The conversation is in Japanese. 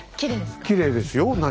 きれいですか？